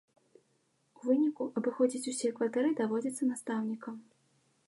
У выніку абыходзіць усе кватэры даводзіцца настаўнікам.